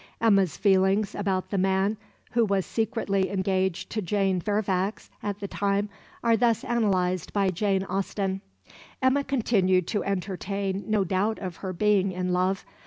Emma's feelings about the man who was secretly engaged to Jane Fairfax at the time, are thus analyzed by Jane Austen "Emma continued to entertain no doubt of her being in love.